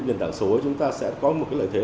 nhân tảng số chúng ta sẽ có một lợi thế